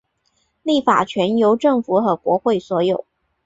立法权由政府和国会所有。